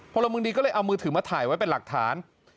พลเมืองดีก็เลยเอามือถือมาถ่ายไว้เป็นหลักฐาน